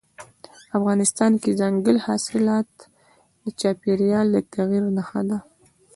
افغانستان کې دځنګل حاصلات د چاپېریال د تغیر نښه ده.